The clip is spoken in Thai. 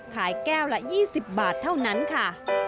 ขายแก้วละ๒๐บาทเท่านั้นค่ะ